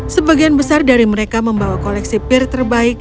sebagian besar dari mereka membawa koleksi pir terbaik